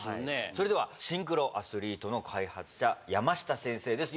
それではシンクロアスリートの開発者山下先生です